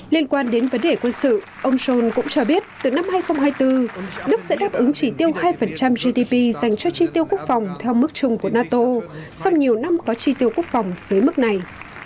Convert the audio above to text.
liên quan đến vấn đề quân sự ông john cũng cho biết từ năm hai nghìn hai mươi bốn đức sẽ đáp ứng chỉ tiêu hai gdp dành cho chi tiêu quốc phòng theo mức chung của nato sau nhiều năm có tri tiêu quốc phòng dưới mức này